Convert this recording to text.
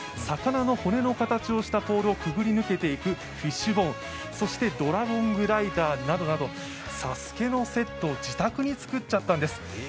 魚の骨の形をした柱をくぐり抜けていくフィッシュボーン、そしてドラゴングライダーなどなど「ＳＡＳＵＫＥ」のセットを自宅に作っちゃったんです。